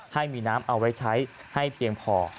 ให้มีน้ำเอาไว้ใช้ให้เพียงพอ